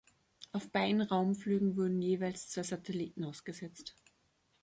Auf beiden Raumflügen wurden jeweils zwei Satelliten ausgesetzt.